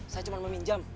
saya cuma meminjam